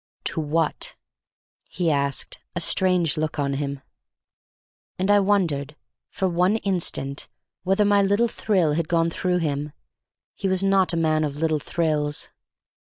"To what?" he asked, a strange look on him. And I wondered—for one instant—whether my little thrill had gone through him. He was not a man of little thrills.